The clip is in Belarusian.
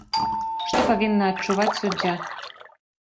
Што павінна адчуваць суддзя?